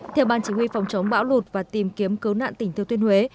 theo ban chỉ huy phòng chống bão lụt và tìm kiếm cứu nạn tỉnh thứ tuyên huế